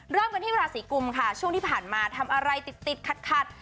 เริ่มกันที่ราศีกุมค่ะช่วงที่ผ่านมาทำอะไรติดขัด